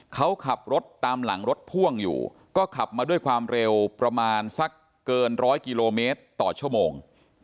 เขาขับรถตามหลังรถพ่วงอยู่ก็ขับมาด้วยความเร็วประมาณสักเกินร้อยกิโลเมตรต่อชั่วโมง